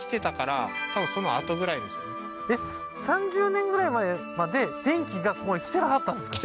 ３０年ぐらい前まで電気がここに来てなかったんですか？